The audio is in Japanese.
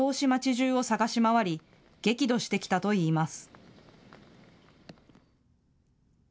じゅうを探し回り激怒してきたといいます。